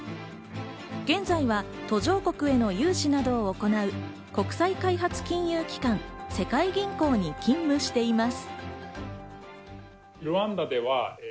現在は途上国への融資などを行う、国際開発金融機関、世界銀行に勤務しています。